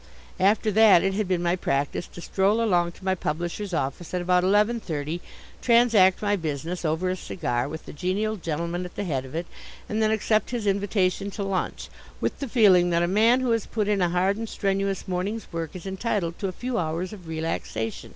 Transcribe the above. After that it had been my practice to stroll along to my publishers' office at about eleven thirty, transact my business, over a cigar, with the genial gentleman at the head of it, and then accept his invitation to lunch, with the feeling that a man who has put in a hard and strenuous morning's work is entitled to a few hours of relaxation.